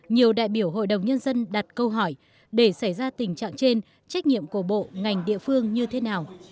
nhiều đại biểu hội đồng nhân dân đặt câu hỏi để xảy ra tình trạng trên trách nhiệm của bộ ngành địa phương như thế nào